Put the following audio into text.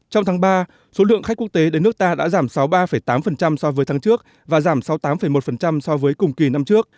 trong tháng ba số lượng khách quốc tế đến nước ta đã giảm sáu mươi ba tám so với tháng trước và giảm sáu mươi tám một so với cùng kỳ năm trước